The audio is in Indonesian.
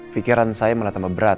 pikiran saya malah tambah berat